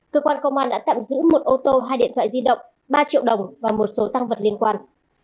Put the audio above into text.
cơ quan công an đã tạm giữ một ô tô hai điện thoại di động ba triệu đồng và một số tăng vật liên quan